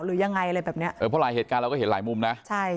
หรือยังไงอะไรแบบเนี้ยเออเพราะหลายเหตุการณ์เราก็เห็นหลายมุมนะใช่